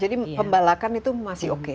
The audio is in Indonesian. jadi pembalakan itu masih oke